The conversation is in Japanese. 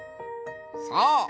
そう。